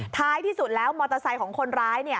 ท้ายที่สุดแล้วมอเตอร์ไซค์ของคนร้าย